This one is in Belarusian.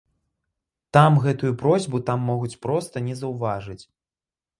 Там гэтую просьбу там могуць проста не заўважыць.